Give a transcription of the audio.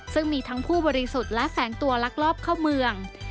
ซึ่งมีทั้งผู้บริสุทธิ์และแฝงตัวลักลอบเข้าเมือง